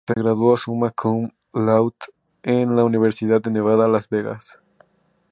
Se graduó "summa cum laude" en la Universidad de Nevada, Las Vegas.